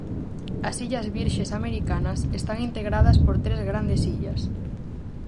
As Illas Virxes Americanas están integradas por tres grandes illas.